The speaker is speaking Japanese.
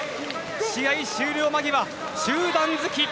試合終了間際、中段突き。